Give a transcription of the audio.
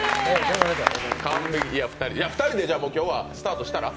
２人で今日はスタートしたら？